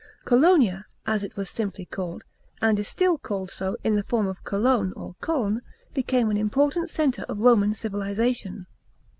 Colonia, as it was simply called — and is still called so in the form Cologne or C6ln — became an important centre of Roman civilisation.